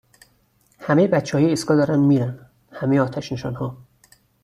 همهی بچههای ایستگاه دارن میرن همهی آتشنشانها